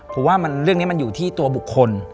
ผมว่าเรื่องนี้มันอยู่ที่ตัวบุคคล